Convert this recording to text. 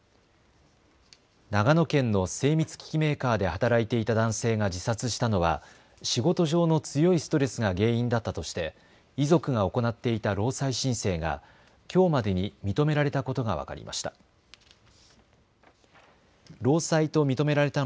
長野県の精密機器メーカーで働いていた男性が自殺したのは仕事上の強いストレスが原因だったとして遺族が行っていた労災申請がきょうまでに認められたことが分かりました。